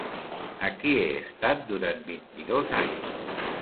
Aquí he estat durant vint-i-dos anys.